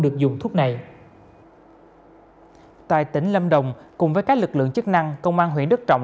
được dùng thuốc này tại tỉnh lâm đồng cùng với các lực lượng chức năng công an huyện đức trọng